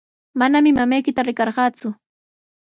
Manami mamaykita riqarqaaku.